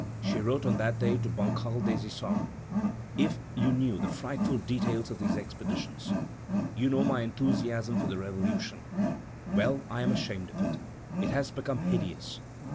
She wrote on that day to Bancal des Issarts: "If you knew the frightful details of these expeditions.... You know my enthusiasm for the Revolution; well, I am ashamed of it; it has become hideous.